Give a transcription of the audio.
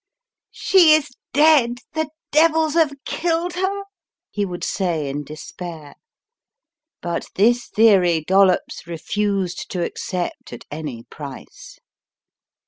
"She is dead, the devils have killed her!" he would say in despair, but this theory Dollops refused to accept at any price.